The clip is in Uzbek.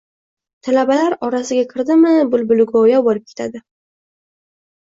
Talabalar orasiga kirdimi — bulbuligo‘yo bo‘lib ketadi…